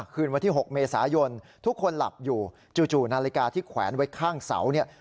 คืนวันที่๖เมษายนทุกคนหลับอยู่จู่นาฬิกาที่แขวนไว้ข้างเสาเนี่ย